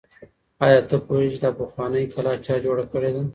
آیا ته پوهېږې چې دا پخوانۍ کلا چا جوړه کړې ده؟